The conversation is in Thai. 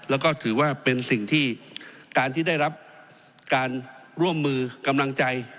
แล้วก็ถือว่าเป็นสิ่งที่การที่ได้รับการร่วมมือกำลังใจ